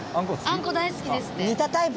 あんこ大好きですって。